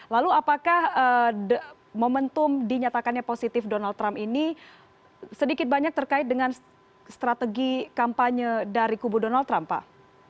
lalu apakah momentum dinyatakannya positif donald trump ini sedikit banyak terkait dengan strategi kampanye dari kubu donald trump pak